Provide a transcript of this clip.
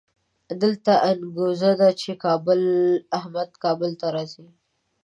دلته انګروزه ده چې احمد کابل ته راځي.